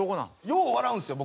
よう笑うんですよ